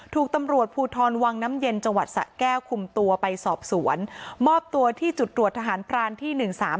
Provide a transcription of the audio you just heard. ถูกตำรวจภูทรวังน้ำเย็นจังหวัดสะแก้วคุมตัวไปสอบสวนมอบตัวที่จุดตรวจทหารพรานที่หนึ่งสาม